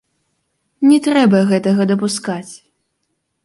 Не трэба гэтага дапускаць.